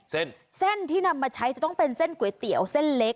เส้นเส้นที่นำมาใช้จะต้องเป็นเส้นก๋วยเตี๋ยวเส้นเล็ก